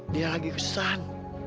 dia lagi kesusahan